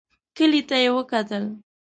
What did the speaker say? کلي ته يې وکتل.